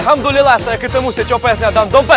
alhamdulillah saya ketemu si copetnya dalam dompet saya